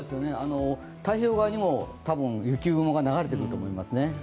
太平洋側にも多分、雪雲が流れてくると思いますね。